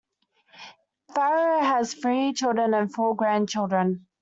Farrow has three children and four grandchildren.